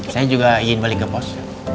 saya juga ingin balik ke pos